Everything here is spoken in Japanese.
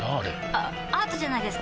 あアートじゃないですか？